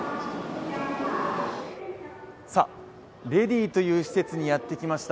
さあ、ＲＥＤＥＥという施設にやってきました。